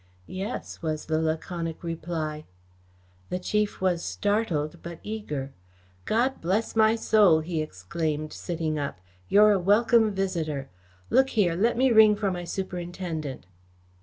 "Yes," was the laconic reply. The Chief Constable was startled but eager. "God bless my soul!" he exclaimed, sitting up. "You're a welcome visitor. Look here, let me ring for my Superintendent."